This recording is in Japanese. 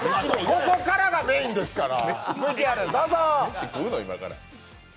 ここからがメインですから。